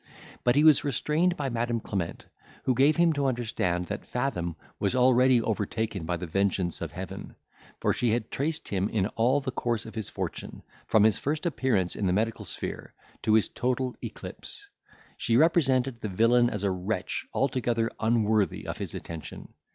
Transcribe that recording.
But he was restrained by Madam Clement, who gave him to understand, that Fathom was already overtaken by the vengeance of Heaven; for she had traced him in all the course of his fortune, from his first appearance in the medical sphere to his total eclipse. She represented the villain as a wretch altogether unworthy of his attention.